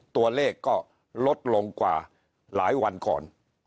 ตัวเลขก็ลดลงกว่าหลายวันก่อน